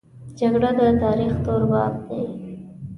جګړه د تاریخ تور باب دی